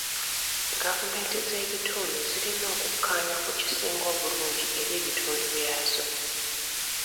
Gavumenti z'ebitundu zirina okukkaanya ku kisinga obulungi eri ebitundu byazo.